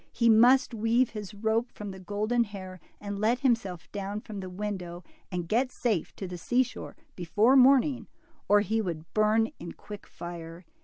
He must weave his rope from the golden hair and let himself down from the window and get safe to the seashore before morn ing, or he would burn in quick fire.